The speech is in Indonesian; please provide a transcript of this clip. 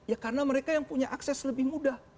ya karena mereka yang punya akses lebih mudah